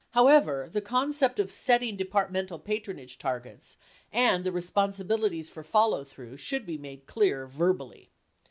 However, the concept of setting Departmental patronage targets and the responsibilities for follow through should be made clear verbally.